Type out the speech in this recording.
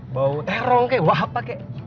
bau terong kek wah apa kek